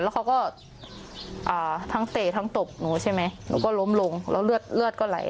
แล้วเขาก็อ่าทั้งเตะทั้งตบหนูใช่ไหมหนูก็ล้มลงแล้วเลือดเลือดก็ไหล